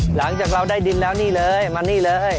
หลังจากเราได้ดินแล้วนี่เลยมานี่เลย